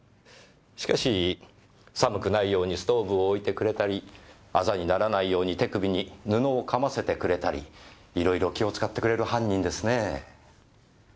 しかし寒くないようにストーブを置いてくれたり痣にならないように手首に布をかませてくれたりいろいろ気を使ってくれる犯人ですねぇ。